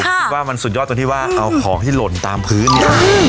คิดว่ามันสุดยอดตรงที่ว่าเอาของที่หล่นตามพื้นเนี่ย